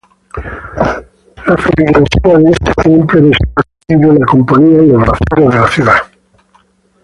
La feligresía de este templo desaparecido la componían los braceros de la ciudad.